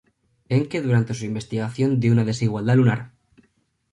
Encke durante su investigación de una desigualdad lunar.